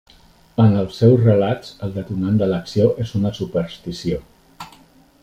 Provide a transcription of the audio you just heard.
En els seus relats el detonant de l'acció és una superstició.